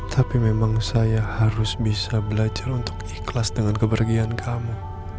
tapi memang saya harus bisa belajar untuk ikhlas dengan kepergian kamu